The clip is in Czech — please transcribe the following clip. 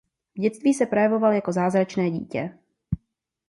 V dětství se projevoval jako zázračné dítě.